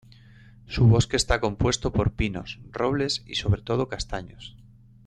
Su bosque está compuesto por pinos, robles y sobre todo, castaños.